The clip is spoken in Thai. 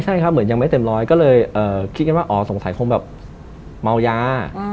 ใช่เหมือนยังไม่เต็มร้อยก็เลยคิดกันว่าสงสัยคงเบายา